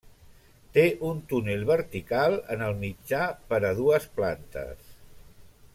Té un túnel vertical en el mitjà per a dues plantes.